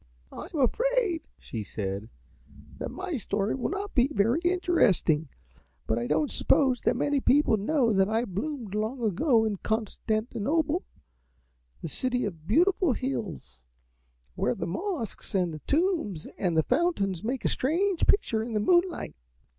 "I am afraid," she said, "that my story will not be very interesting, but I don't suppose that many people know that I bloomed long ago in Constantinople, the city of beautiful hills, where the mosques and the tombs and the fountains make a strange picture in the moonlight.